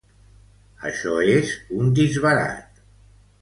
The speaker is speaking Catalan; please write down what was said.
Això és un disbarat.